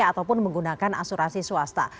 ataupun menggunakan asurasi swasta